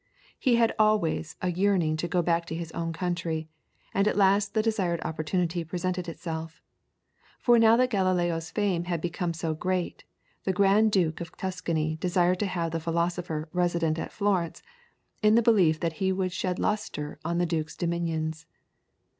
He had always a yearning to go back to his own country and at last the desired opportunity presented itself. For now that Galileo's fame had become so great, the Grand Duke of Tuscany desired to have the philosopher resident at Florence, in the belief that he would shed lustre on the Duke's dominions.